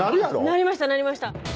なりましたなりました